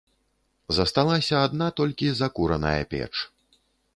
Засталася адна толькі закураная печ.